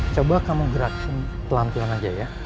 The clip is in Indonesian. coba kamu gerak pelan pelan aja ya